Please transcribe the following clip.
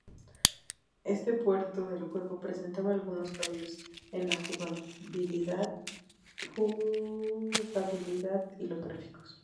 Este puerto del juego presentaba algunos cambios en la jugabilidad y los gráficos.